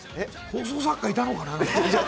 放送作家いたのかな？